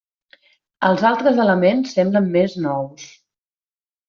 Els altres elements semblen més nous.